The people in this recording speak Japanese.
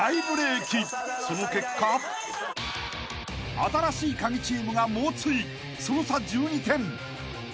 ［新しいカギチームが猛追その差１２点］